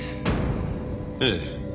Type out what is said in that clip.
ええ。